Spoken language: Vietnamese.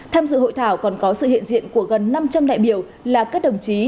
tham dự hội thảo còn có sự hiện diện của gần năm trăm linh đại biểu là các đồng chí